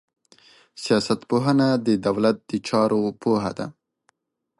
سياست پوهنه د دولت د چارو پوهه ده.